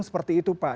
seperti itu pak